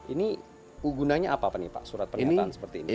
ini gunanya apa pak surat pernyataan seperti ini